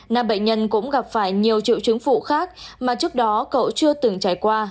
nam bệnh nhân cũng gặp phải nhiều triệu chứng phụ khác mà trước đó cậu chưa từng trải qua